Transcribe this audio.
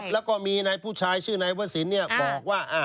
แล้วก็มีผู้ชายชื่อนายวสินบอกว่า